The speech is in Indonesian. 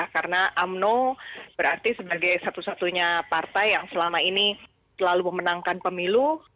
karena umno berarti sebagai satu satunya partai yang selama ini selalu memenangkan pemilu